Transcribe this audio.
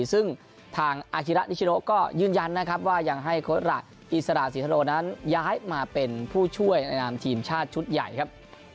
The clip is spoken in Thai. ซึ่งทางอาฮิระนิชโนก็ยืนยันนะครับว่ายังให้โค้ดระอิสระศรีธโรนั้นย้ายมาเป็นผู้ช่วยในนามทีมชาติชุดใหญ่ครับ